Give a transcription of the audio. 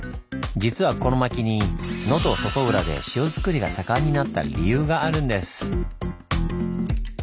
実はこの薪に能登外浦で塩作りが盛んになった理由があるんです。